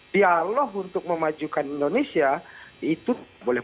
dialog untuk memajukan indonesia itu boleh